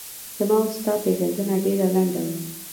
زما و ستا پیژندنه ډېره لڼده وه